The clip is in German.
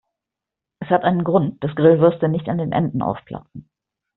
Es hat einen Grund, dass Grillwürste nicht an den Enden aufplatzen.